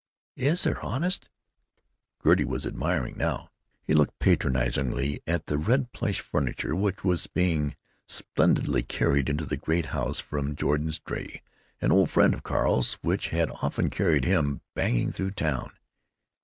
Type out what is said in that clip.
"Is there, honest?" Gertie was admiring now. He looked patronizingly at the red plush furniture which was being splendidly carried into the great house from Jordan's dray—an old friend of Carl's, which had often carried him banging through town.